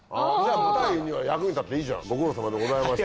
舞台には役に立っていいじゃんご苦労さまでございました。